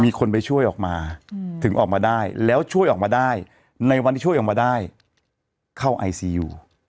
มีคนไปช่วยออกมาถึงออกมาได้แล้วช่วยออกมาได้ในวันที่ช่วยออกมาได้เข้าไอซียู